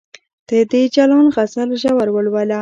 ته د جلان غزل ژور ولوله